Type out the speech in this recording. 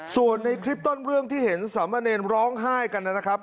ส่วนในคลิปต้นเรื่องที่เห็นสามเณรร้องไห้กันนะครับ